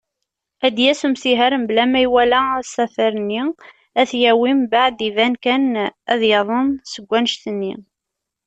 Ad d-yas umsiher mebla ma iwala asafar-nni, ad t-yawi, mbaɛd iban kan ad yaḍen seg wanect-nni.